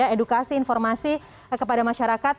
edukasi informasi kepada masyarakat